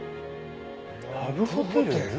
ラブホテル？